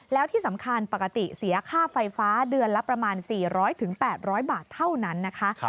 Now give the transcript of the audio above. แล้วที่สำคัญปกติเสียค่าไฟฟ้าเดือนละประมาณ๔๐๐๘๐๐บาทเท่านั้นนะคะ